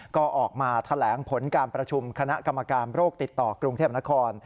ก็ออกมาแถลงผลการประชุมคณะกรรมการโรคติดต่อกรุงเทพนคร